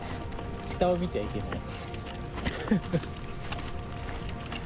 下を見ちゃいけない。